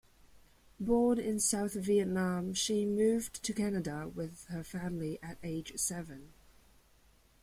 Born in South Vietnam, she moved to Canada with her family at age seven.